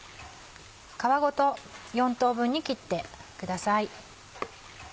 皮ごと４等分に切ってください。